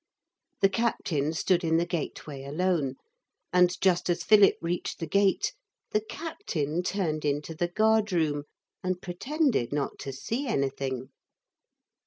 The captain stood in the gateway alone, and just as Philip reached the gate the captain turned into the guard room and pretended not to see anything.